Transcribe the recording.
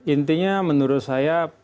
intinya menurut saya